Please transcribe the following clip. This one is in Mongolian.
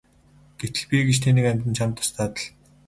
Гэтэл би гэж тэнэг амьтан чамд туслаад л!